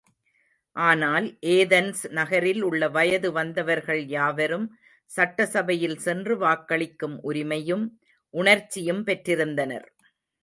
ஆனால், ஏதன்ஸ் நகரில் உள்ள வயது வந்தவர்கள் யாவரும், சட்டசபையில் சென்று வாக்களிக்கும் உரிமையும், உணர்ச்சியும் பெற்றிருந்தனர்.